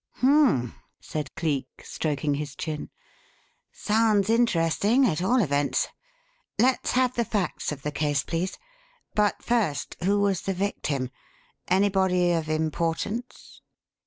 "Hum m!" said Cleek, stroking his chin. "Sounds interesting, at all events. Let's have the facts of the case, please. But first, who was the victim? Anybody of importance?"